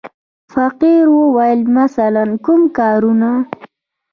فقیر وویل: مثلاً کوم کارونه.